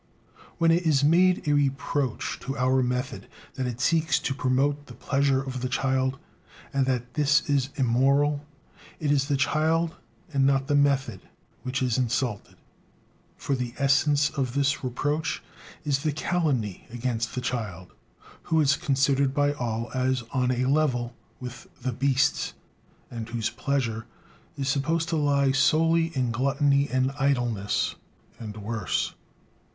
When it is made a reproach to our method that it seeks to promote the "pleasure" of the child, and that this is immoral, it is the child and not the method which is insulted. For the essence of this reproach is the calumny against the child, who is considered by all as on a level with the beasts, and whose "pleasure" is supposed to lie solely in gluttony and idleness, and worse.